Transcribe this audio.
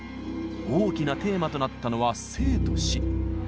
大きなテーマとなったのは「生と死」。